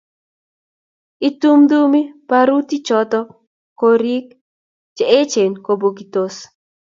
itumtumi barutichoto korik che echen kobutokis